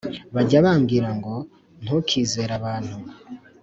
Bajya bambwira ngo ntukizere abantu